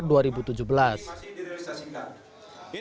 ini masih direalisasikan